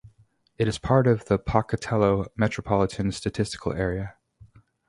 It is part of the Pocatello Metropolitan Statistical Area.